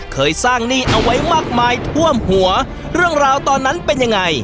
เคยสร้างหนี้เอาไว้มากมายท่วมหัวเรื่องราวตอนนั้นเป็นยังไง